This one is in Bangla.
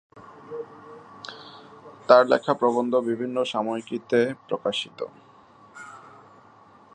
তার লেখা প্রবন্ধ বিভিন্ন সাময়িকীতে প্রকাশিত।